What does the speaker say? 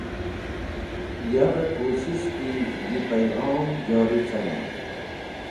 Yavẽ kushish ki yi payghom jori carẽn.